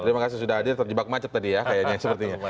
terima kasih sudah hadir terjebak macet tadi ya